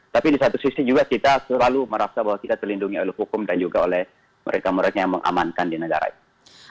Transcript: tapi di satu sisi juga kita selalu merasa bahwa kita terlindungi oleh hukum dan juga oleh mereka mereka yang mengamankan di negara itu